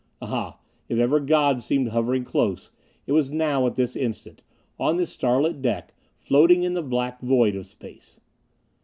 Ah, if ever God seemed hovering close, it was now at this instant, on this starlit deck floating in the black void of space.